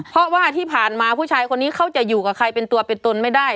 เพราะว่าที่ผ่านมาผู้ชายคนนี้เขาจะอยู่กับใครเป็นตัวเป็นตนไม่ได้